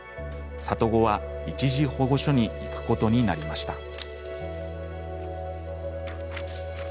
里子は、一時保護所に行くことになりました。